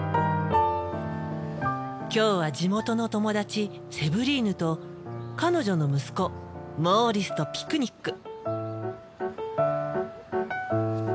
今日は地元の友達セヴリーヌと彼女の息子モーリスとピクニック。